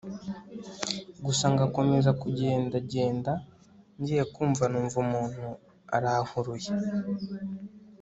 gusa ngakomeza kugenda genda ngiye kumva numva umuntu arankuruye